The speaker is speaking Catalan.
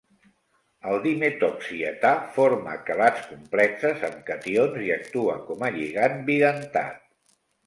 El dimetoxietà forma quelats complexes amb cations i actua com a lligant bidentat.